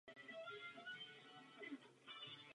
Obyvatelstvu zůstal pramen veřejně přístupný.